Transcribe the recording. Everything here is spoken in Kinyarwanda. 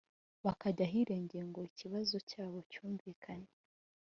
bakajya ahirengeye ngo ikibazo cyabo cyumvikane